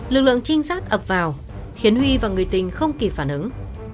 lực lượng trinh sát ập vào khiến huy và người tình không kịp phản ứng